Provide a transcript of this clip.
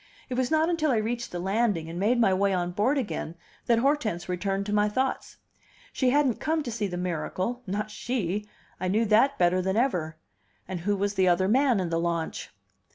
It was not until I reached the landing, and made my way on board again, that Hortense returned to my thoughts. She hadn't come to see the miracle; not she! I knew that better than ever. And who was the other man in the launch?